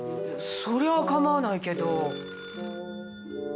そりゃあ構わないけど。